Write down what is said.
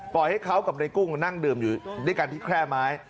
ให้เขากับในกุ้งนั่งดื่มอยู่ด้วยกันที่แคร่ไม้